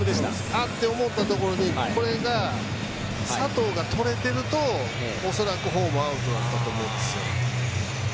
あっと思ったところに佐藤がとれてると恐らく、ホームはアウトだったんですよ。